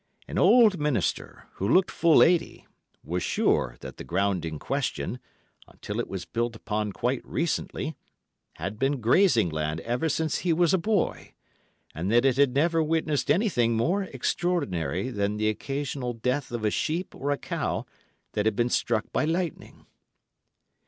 An old minister, who looked fully eighty, was sure that the ground in question, until it was built upon quite recently, had been grazing land ever since he was a boy, and that it had never witnessed anything more extraordinary than the occasional death of a sheep or a cow that had been struck by lightning.